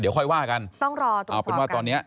เดี๋ยวค่อยว่ากันเอาเป็นว่าตอนนี้